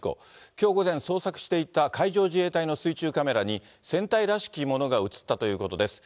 きょう午前、捜索していた海上自衛隊の水中カメラに、船体らしきものが映ったということです。